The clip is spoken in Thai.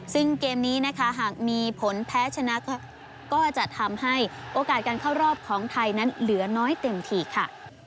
ซึ่งเกมนี้นะคะหากมีผลแพ้ชนะก็จะทำให้โอกาสการเข้ารอบของไทยนั้นเหลือน้อยเต็มทีค่ะ